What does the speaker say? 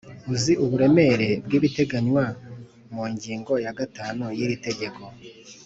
Uzi uburemere bw’ibiteganywa mu ngingo ya gatanu y’iri tegeko